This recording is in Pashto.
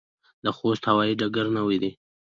د خوست هوايي ډګر نوی دی